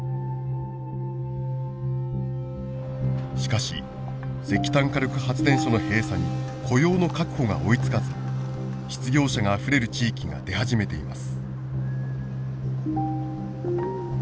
しかし石炭火力発電所の閉鎖に雇用の確保が追いつかず失業者があふれる地域が出始めています。